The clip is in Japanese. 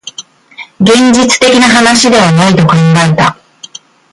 現実的な話ではないと考えた